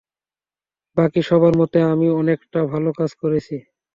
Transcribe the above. বাকি সবার মতে আমি একটা ভালো কাজ করেছি।